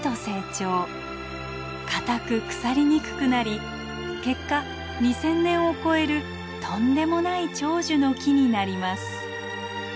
堅く腐りにくくなり結果２，０００年を超えるとんでもない長寿の木になります。